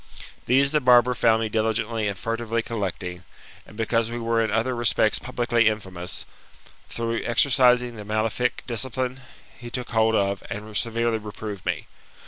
These the barber found me diligently and furtively collecting; and because we were in other respects publicly infamous, through exercising the malefic discipline, he took hold of, and severely reproved me.